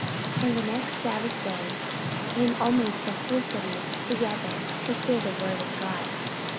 44:013:044 And the next sabbath day came almost the whole city together to hear the word of God.